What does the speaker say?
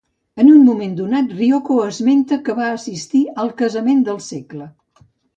En un moment donat, Ryoko esmenta que va assistir al "casament del segle".